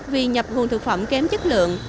vì nhập nguồn thực phẩm kém chất lượng